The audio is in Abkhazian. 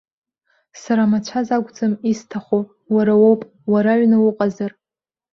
Сара амацәаз акәӡам, исҭаху, уара уоуп, уара аҩны уҟазар.